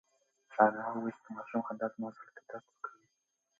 انا وویل چې د ماشوم خندا زما زړه ته درد ورکوي.